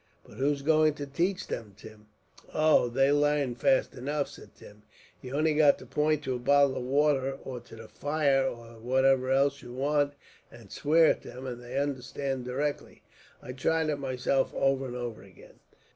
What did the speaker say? "But who's going to teach them, Tim?" "Oh, they larn fast enough," said Tim. "You've only got to point to a bottle of water, or to the fire, or whatever else you want, and swear at them, and they understand directly. I've tried it myself, over and over again."